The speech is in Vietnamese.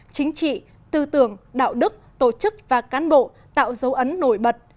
chính trị tư tưởng đạo đức tổ chức và cán bộ tạo dấu ấn nổi bật